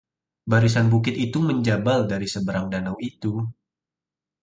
barisan bukit itu menjabal dari seberang danau itu